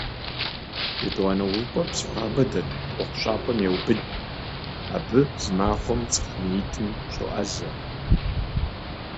Етӏуанэ увыпӏэр Псыхуабэ дэт ӏуэхущӏапӏэм еубыд - абы зы махуэм цӏыху минитӏым щоӏэзэ.